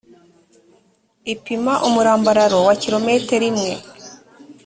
ipima umurambararo wa kilometero imwe .